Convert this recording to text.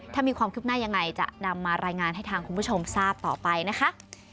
ถ้ามีความคืบหน้ายังไงจะนำมารายงานให้ทางคุณผู้ชมทราบต่อไปนะคะ